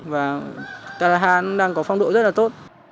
và talaha đang có phong độ rất là tốt